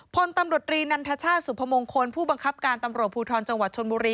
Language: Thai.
พลตำรวจรีนันทชาติสุพมงคลผู้บังคับการตำรวจภูทรจังหวัดชนบุรี